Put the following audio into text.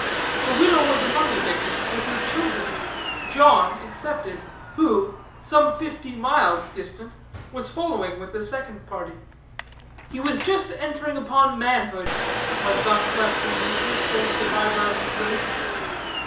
The widow was among the victims with her children, John excepted, who, some fifty miles distant, was following with a second party. "He was just entering upon manhood, when thus left in nature sole survivor of his race.